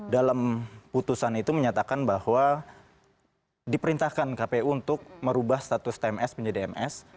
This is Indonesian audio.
dalam putusan itu menyatakan bahwa diperintahkan kpu untuk merubah status tms menjadi ms